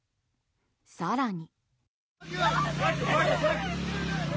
更に。